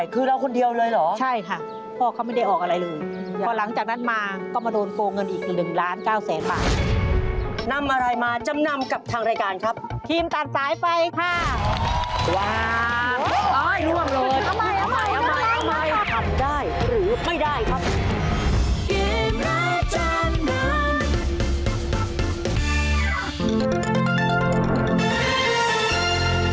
คือเราคนเดียวเลยเหรอพ่อเขาไม่ได้ออกอะไรเลยพอหลังจากนั้นมาก็มาโดนโกงเงินอีก๑ล้าน๙แสนบาทนำอะไรมาจำนำกับทางรายการครับทีมตัดสายไปค่ะว้าวอ้ายร่วมเลยเอาใหม่ทำได้หรือไม่ได้ครับ